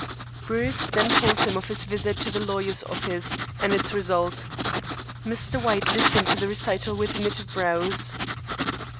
Bruce then told him of his visit to the lawyer's office, and its result. Mr. White listened to the recital with knitted brows.